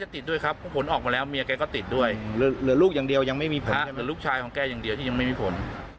แต่ลูกชายของแกอย่างเดียวที่ยังไม่มีผล